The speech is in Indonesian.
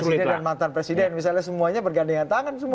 presiden dan mantan presiden misalnya semuanya bergandengan tangan semua